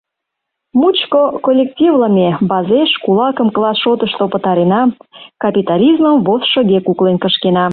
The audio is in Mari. Мучко коллективлыме базеш кулакым класс шотышто пытарена, капитализмым вожшыге куклен кышкена!